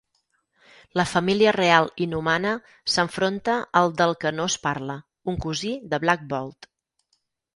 La Família Reial Inhumana s'enfronta al del que no es parla, un cosí de Black Bolt.